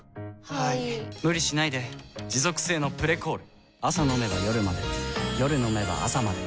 はい・・・無理しないで持続性の「プレコール」朝飲めば夜まで夜飲めば朝まで